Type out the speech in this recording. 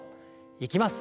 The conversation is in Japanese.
いきます。